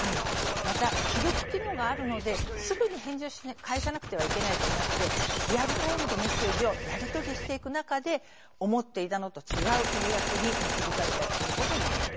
また既読機能があるのですぐに返事を返さなくてはいけないと思ってリアルタイムでメッセージをやり取りしていく中で思っていたのと違う契約に導かれたりすることもある。